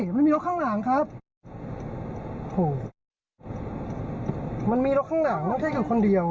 มันมีรถข้างหลังไม่ได้อยู่คนเดียว